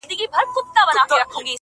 خو د کلي اصلي درد څوک نه سي ليدلای,